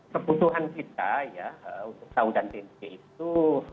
keputuhan kita ya untuk saudara tmp itu